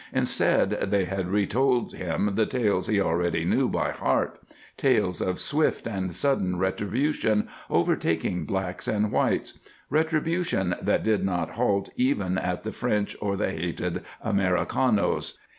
Instead, they had retold him the tales he already knew by heart; tales of swift and sudden retribution overtaking blacks and whites; retribution that did not halt even at the French or the hated Americanos.